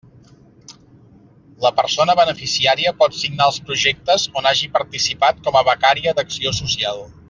La persona beneficiària pot signar els projectes on hagi participat com a becària d'acció social.